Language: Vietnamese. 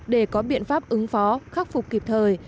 để có biện pháp ứng phó khắc phục kịp thời